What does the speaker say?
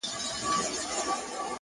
هر منزل د نویو مسئولیتونو پیل دی!